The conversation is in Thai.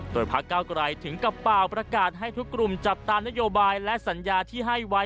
โดยพระเก้าไกลถึงกับเปล่าประกาศให้ทุกกลุ่มจับตามนโยบายและสัญญาที่ให้ไว้